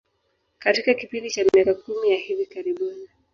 Katika kipindi cha miaka kumi ya hivi karibuni